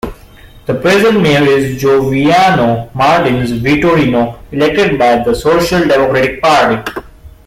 The present Mayor is Joviano Martins Vitorino, elected by the Social Democratic Party.